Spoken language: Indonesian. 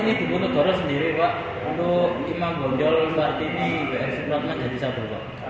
ini juga notori sendiri pak untuk lima gonjol partini bnc bapak jadi sabo